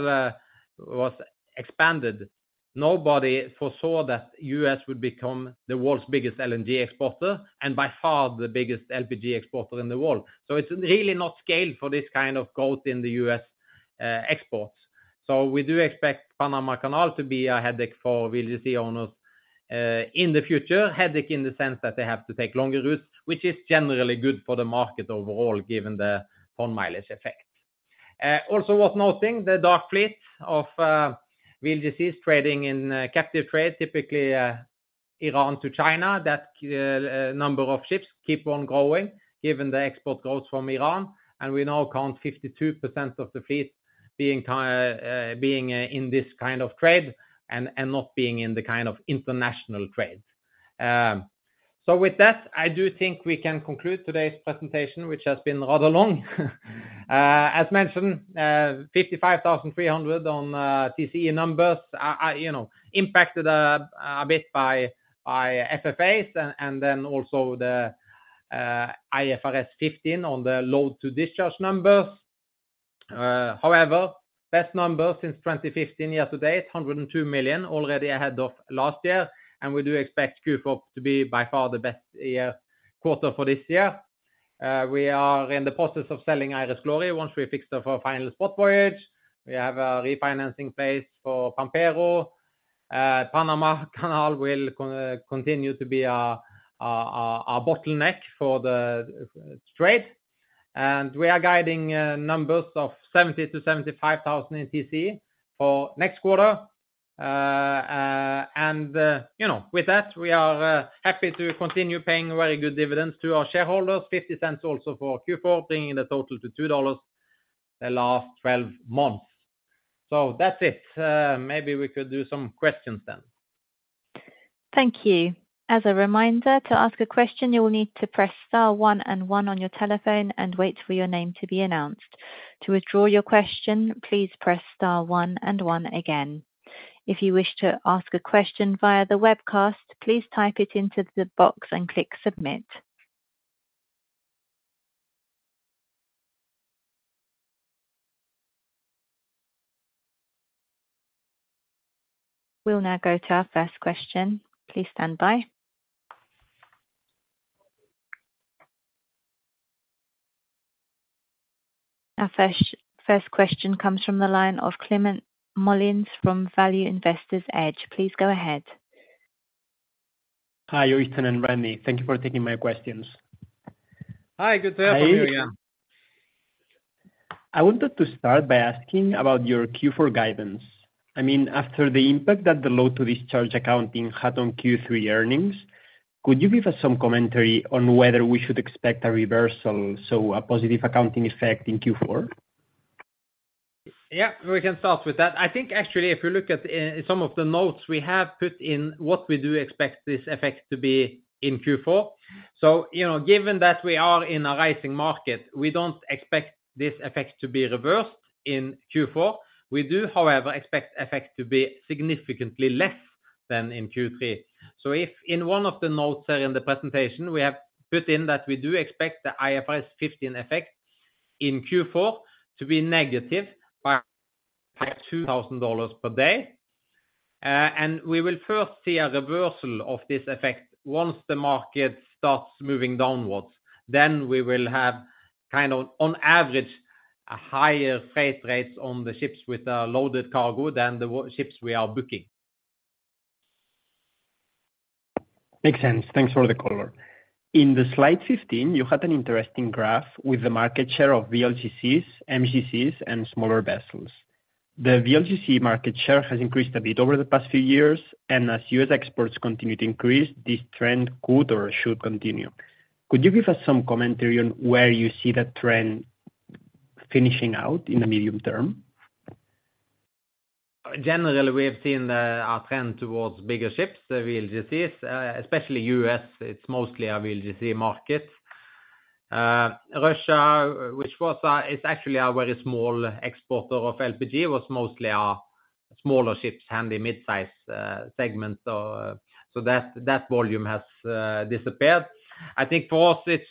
was expanded, nobody foresaw that U.S. would become the world's biggest LNG exporter, and by far the biggest LPG exporter in the world. So it's really not scaled for this kind of growth in the U.S., exports. So we do expect Panama Canal to be a headache for VLGC owners, in the future. Headache in the sense that they have to take longer routes, which is generally good for the market overall, given the ton-mile effect. Also worth noting, the dark fleet of, VLGCs trading in, captive trade, typically, Iran to China, that, number of ships keep on growing given the export growth from Iran, and we now count 52% of the fleet being in this kind of trade and not being in the kind of international trade. So with that, I do think we can conclude today's presentation, which has been rather long. As mentioned, 55,300 on TCE numbers are, you know, impacted a bit by FFAs and then also the IFRS 15 on the load to discharge numbers. However, best numbers since 2015 year to date, $102 million, already ahead of last year, and we do expect Q4 to be by far the best quarter for this year. We are in the process of selling Iris Glory once we fix for the final spot voyage. We have a refinancing in place for Pampero. Panama Canal will continue to be a bottleneck for the trade. And we are guiding numbers of 70,000-75,000 in TCE for next quarter. And, you know, with that, we are happy to continue paying very good dividends to our shareholders. $0.50 also for Q4, bringing the total to $2 the last 12 months. So that's it. Maybe we could do some questions then. Thank you. As a reminder, to ask a question, you will need to press star one and one on your telephone and wait for your name to be announced. To withdraw your question, please press star one and one again. If you wish to ask a question via the webcast, please type it into the box and click submit. We'll now go to our first question. Please stand by. Our first question comes from the line of Climent Molins from Value Investor's Edge. Please go ahead. Hi, Øystein and Randi. Thank you for taking my questions. Hi, good afternoon, yeah. I wanted to start by asking about your Q4 guidance. I mean, after the impact that the load to discharge accounting had on Q3 earnings, could you give us some commentary on whether we should expect a reversal, so a positive accounting effect in Q4? Yeah, we can start with that. I think actually, if you look at some of the notes we have put in what we do expect this effect to be in Q4. So, you know, given that we are in a rising market, we don't expect this effect to be reversed in Q4. We do, however, expect effect to be significantly less than in Q3. So if in one of the notes there in the presentation, we have put in that we do expect the IFRS 15 effect in Q4 to be negative by $2,000 per day. And we will first see a reversal of this effect once the market starts moving downwards, then we will have kind of, on average, a higher freight rates on the ships with a loaded cargo than the ships we are booking. Makes sense. Thanks for the color. In the slide 15, you had an interesting graph with the market share of VLGCs, MGCs, and smaller vessels. The VLGC market share has increased a bit over the past few years, and as U.S. exports continue to increase, this trend could or should continue. Could you give us some commentary on where you see that trend finishing out in the medium term? Generally, we have seen a trend towards bigger ships, the VLGCs, especially U.S., it's mostly a VLGC market. Russia, which is actually a very small exporter of LPG, was mostly our smaller ships, handy mid-size segment, so that volume has disappeared. I think for us, it's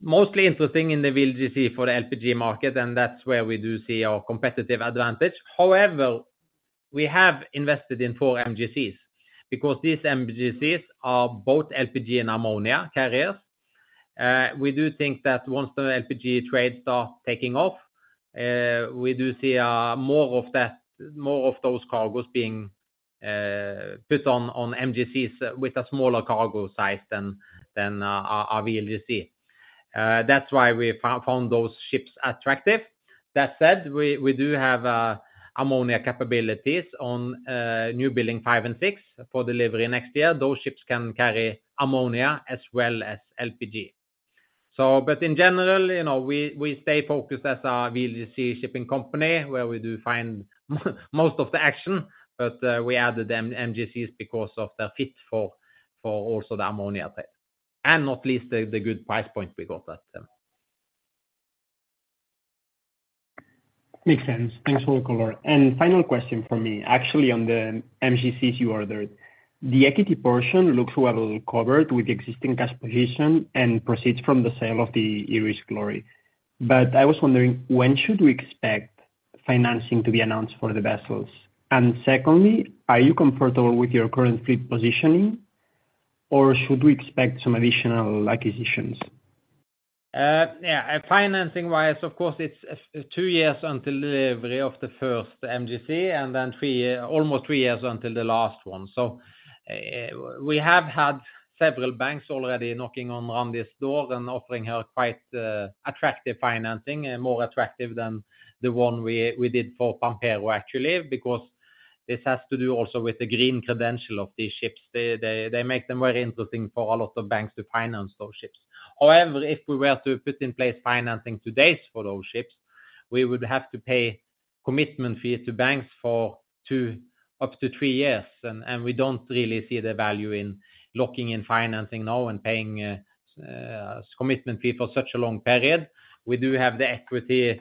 mostly interesting in the VLGC for the LPG market, and that's where we do see our competitive advantage. However, we have invested in four MGCs because these MGCs are both LPG and ammonia carriers. We do think that once the LPG trades start taking off, we do see more of that, more of those cargoes being put on MGCs with a smaller cargo size than our VLGC. That's why we found those ships attractive. That said, we do have ammonia capabilities on newbuildings 5 and 6 for delivery next year. Those ships can carry ammonia as well as LPG. So, but in general, you know, we stay focused as a VLGC shipping company, where we do find most of the action, but we added the MGCs because of the fit for also the ammonia tank, and not least the good price point we got at them. Makes sense. Thanks for the color. And final question for me, actually, on the MGCs you ordered. The equity portion looks well covered with existing cash position and proceeds from the sale of the Iris Glory. But I was wondering, when should we expect financing to be announced for the vessels? And secondly, are you comfortable with your current fleet positioning, or should we expect some additional acquisitions? Yeah, financing-wise, of course, it's 2 years until delivery of the first MGC, and then almost 3 years until the last one. So, we have had several banks already knocking on this door and offering us quite attractive financing and more attractive than the one we did for Pampero, actually, because this has to do also with the green credential of these ships. They make them very interesting for a lot of banks to finance those ships. However, if we were to put in place financing today for those ships, we would have to pay commitment fees to banks for 2-3 years, and we don't really see the value in locking in financing now and paying commitment fee for such a long period. We do have the equity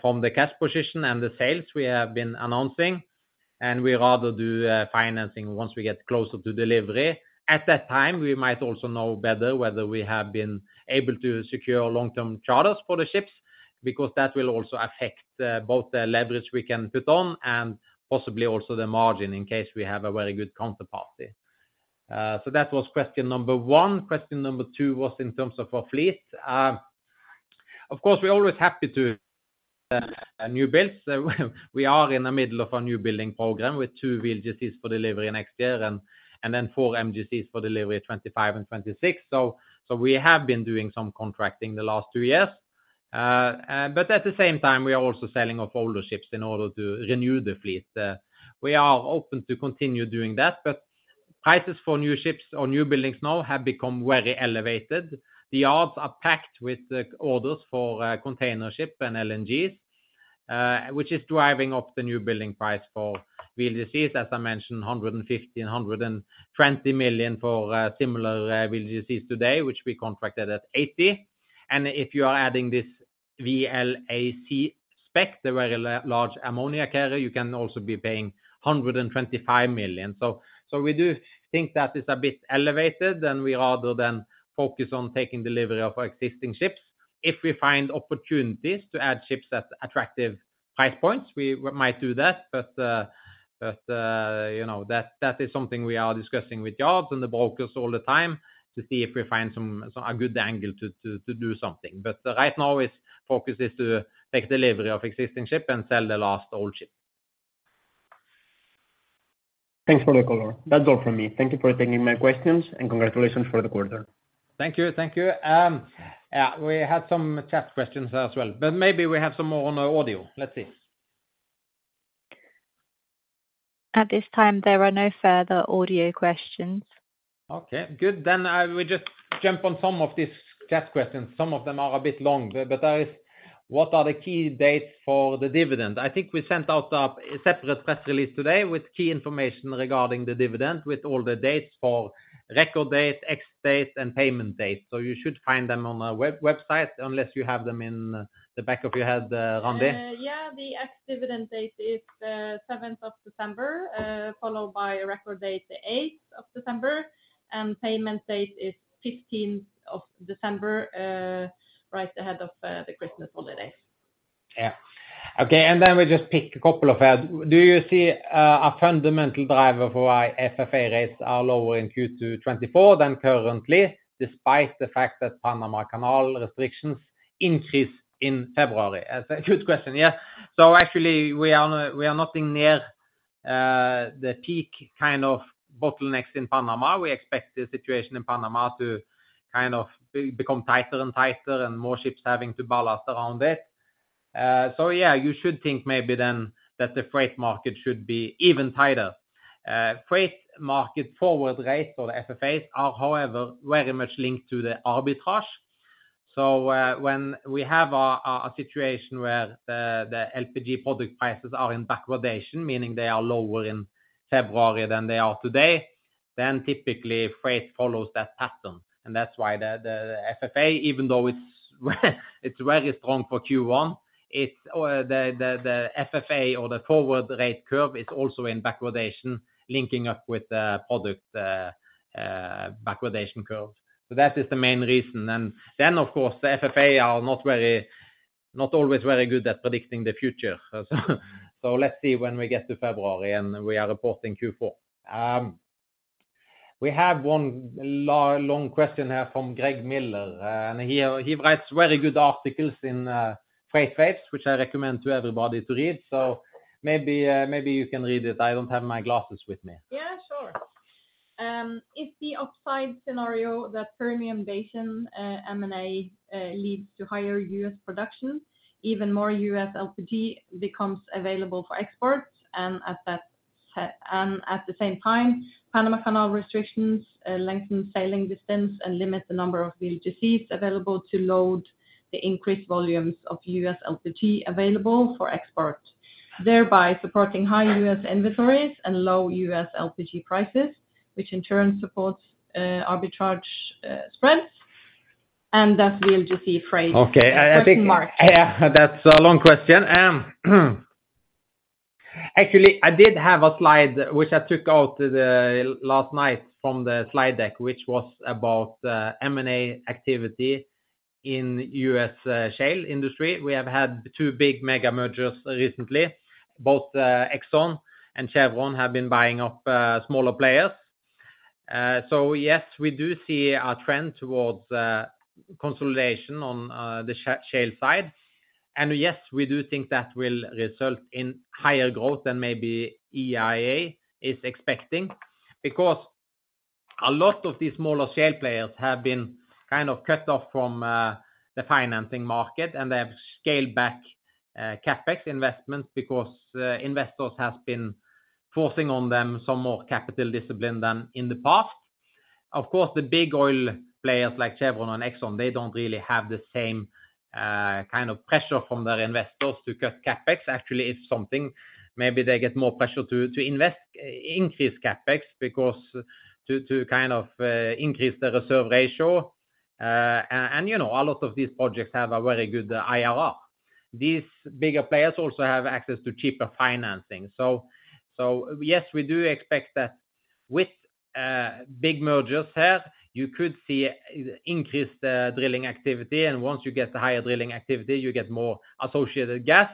from the cash position and the sales we have been announcing, and we rather do financing once we get closer to delivery. At that time, we might also know better whether we have been able to secure long-term charters for the ships, because that will also affect both the leverage we can put on and possibly also the margin, in case we have a very good counterparty. So that was question number one. Question number two was in terms of our fleet. Of course, we're always happy to new builds. We are in the middle of a newbuilding program with two VLGCs for delivery next year and then four MGCs for delivery in 2025 and 2026. So we have been doing some contracting the last two years. But at the same time, we are also selling off older ships in order to renew the fleet. We are open to continue doing that, but prices for new ships or newbuildings now have become very elevated. The yards are packed with orders for containership and LNGs, which is driving up the newbuilding price for VLGCs. As I mentioned, $115 million-$120 million for similar VLGCs today, which we contracted at $80 million. And if you are adding this VLAC spec, the very large ammonia carrier, you can also be paying $125 million. So we do think that is a bit elevated, and we rather than focus on taking delivery of our existing ships. If we find opportunities to add ships at attractive price points, we might do that. But you know, that is something we are discussing with yards and the brokers all the time to see if we find some a good angle to do something. But right now, it's focus is to take delivery of existing ship and sell the last old ship. Thanks for the call. That's all from me. Thank you for taking my questions, and congratulations for the quarter. Thank you. Thank you. Yeah, we had some chat questions as well, but maybe we have some more on our audio. Let's see. At this time, there are no further audio questions. Okay, good. Then, we just jump on some of these chat questions. Some of them are a bit long, but there is: What are the key dates for the dividend? I think we sent out a separate press release today with key information regarding the dividend, with all the dates for record date, ex-date, and payment date. So you should find them on our website, unless you have them in the back of your head, Randi. Yeah, the ex-dividend date is seventh of December, followed by record date, the eighth of December.... payment date is fifteenth of December, right ahead of the Christmas holidays. Yeah. Okay, and then we just pick a couple of them. Do you see, a fundamental driver for why FFA rates are lower in Q2 2024 than currently, despite the fact that Panama Canal restrictions increase in February? That's a good question, yeah. So actually, we are, we are nothing near, the peak kind of bottlenecks in Panama. We expect the situation in Panama to kind of become tighter and tighter, and more ships having to ballast around it. So yeah, you should think maybe then, that the freight market should be even tighter. Freight market forward rates or FFAs are, however, very much linked to the arbitrage. So, when we have a situation where the LPG product prices are in backwardation, meaning they are lower in February than they are today, then typically freight follows that pattern. And that's why the FFA, even though it's very strong for Q1, the FFA or the forward rate curve is also in backwardation linking up with the product backwardation curve. So that is the main reason. And then, of course, the FFA are not always very good at predicting the future. So let's see when we get to February, and we are reporting Q4. We have one long question here from Greg Miller, and he writes very good articles in FreightWaves, which I recommend to everybody to read. So maybe you can read it. I don't have my glasses with me. Yeah, sure. If the upside scenario that Permian Basin M&A leads to higher U.S. production, even more U.S. LPG becomes available for export. And at that, and at the same time, Panama Canal restrictions lengthen sailing distance and limit the number of VLGCs available to load the increased volumes of U.S. LPG available for export. Thereby, supporting high U.S. inventories and low U.S. LPG prices, which in turn supports arbitrage spreads, and thus VLGC freight. Okay, I think- Question mark. Yeah, that's a long question. Actually, I did have a slide which I took out the last night from the slide deck, which was about M&A activity in U.S. shale industry. We have had two big mega mergers recently. Both Exxon and Chevron have been buying up smaller players. So yes, we do see a trend towards consolidation on the shale side. And yes, we do think that will result in higher growth than maybe EIA is expecting. Because a lot of these smaller shale players have been kind of cut off from the financing market, and they have scaled back CapEx investments because investors have been forcing on them some more capital discipline than in the past. Of course, the big oil players like Chevron and Exxon, they don't really have the same kind of pressure from their investors to cut CapEx. Actually, it's something maybe they get more pressure to invest, increase CapEx, because to kind of increase the reserve ratio. And, you know, a lot of these projects have a very good IRR. These bigger players also have access to cheaper financing. So yes, we do expect that with big mergers here, you could see increased drilling activity, and once you get the higher drilling activity, you get more associated gas.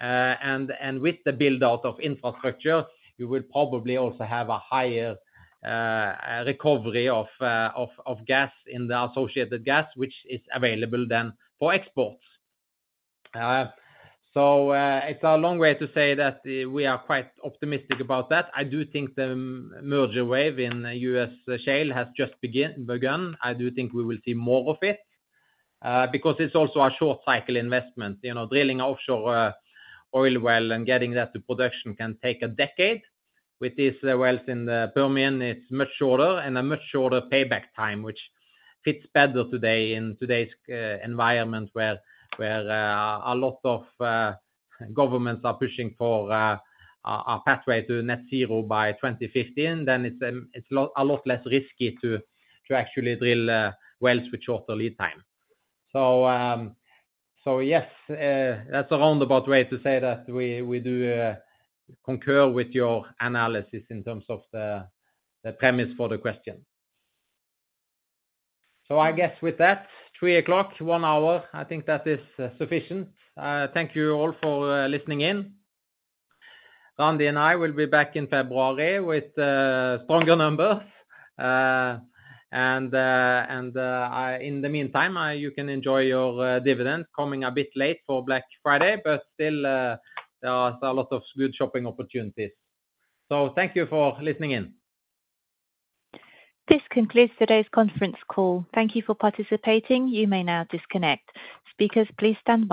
And with the build-out of infrastructure, you will probably also have a higher recovery of gas in the associated gas, which is available then for export. So, it's a long way to say that we are quite optimistic about that. I do think the merger wave in U.S. shale has just begin, begun. I do think we will see more of it, because it's also a short cycle investment. You know, drilling offshore, oil well and getting that to production can take a decade. With these wells in the Permian, it's much shorter and a much shorter payback time, which fits better today, in today's environment, where a lot of governments are pushing for a pathway to net zero by 2050. Then it's, it's a lot, a lot less risky to actually drill wells with shorter lead time. So yes, that's a roundabout way to say that we do concur with your analysis in terms of the premise for the question. So I guess with that, 3 o'clock, one hour, I think that is sufficient. Thank you all for listening in. Randi and I will be back in February with stronger numbers. And in the meantime, you can enjoy your dividend coming a bit late for Black Friday, but still, there are a lot of good shopping opportunities. So thank you for listening in. This concludes today's conference call. Thank you for participating, you may now disconnect. Speakers, please stand by.